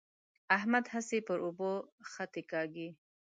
احمد هسې پر اوبو خطې کاږي.